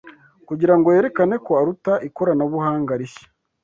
Kugira ngo yerekane ko aruta ikoranabuhanga rishya